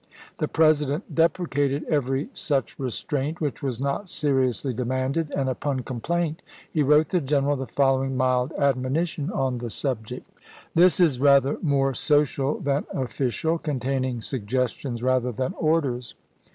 The President deprecated every such restraint which was not seriously demanded ; and, upon complaint, he wrote the general the following mild admonition on the subject : This is rather more social than official ; containing sug gestions rather than orders.